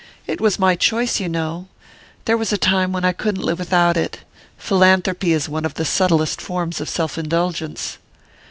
"It was my choice, you know: there was a time when I couldn't live without it. Philanthropy is one of the subtlest forms of self indulgence."